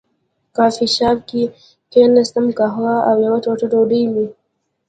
کافي شاپ کې کېناستم، قهوه او یوه ټوټه ډوډۍ مې.